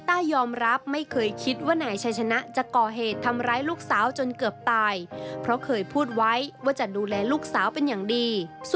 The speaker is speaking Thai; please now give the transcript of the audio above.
มันรักแฟนมันมากจริงพี่